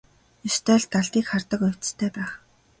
Ёстой л далдыг хардаг увдистай байх.